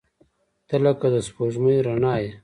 • ته لکه د سپوږمۍ رڼا یې.